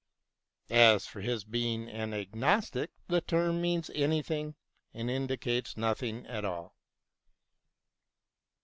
As for his being an agnostic, the term means anything and indicates nothing at all.